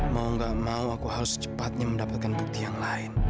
mau gak mau aku harus cepatnya mendapatkan bukti yang lain